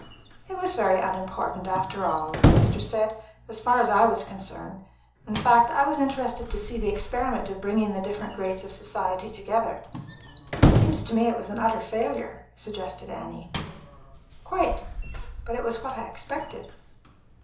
"It was very unimportant, after all," the minister said, "as far as I was concerned. In fact, I was interested to see the experiment of bringing the different grades of society together." "It seems to me it was an utter failure," suggested Annie. "Quite. But it was what I expected."